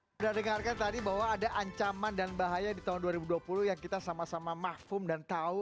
sudah dengarkan tadi bahwa ada ancaman dan bahaya di tahun dua ribu dua puluh yang kita sama sama makfum dan tahu